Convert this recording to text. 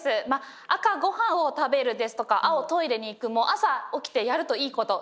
赤「ご飯を食べる」ですとか青「トイレに行く」も朝起きてやるといいことですよね。